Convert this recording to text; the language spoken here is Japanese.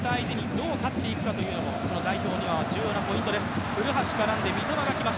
そういった相手にどう勝っていくかというのも代表では重要なポイントです。